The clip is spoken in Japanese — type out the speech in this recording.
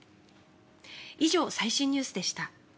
以上、最新ニュースでした。